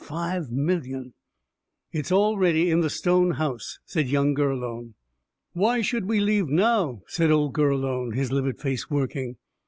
"Five million!" "It's all ready, in the stone house," said young Gurlone. "Why should we leave now?" said old Gurlone, his livid face working.